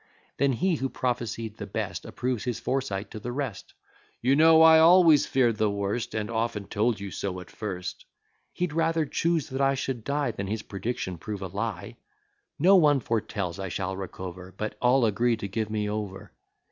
Then he, who prophecy'd the best, Approves his foresight to the rest: "You know I always fear'd the worst, And often told you so at first." He'd rather chuse that I should die, Than his prediction prove a lie. Not one foretells I shall recover; But all agree to give me over.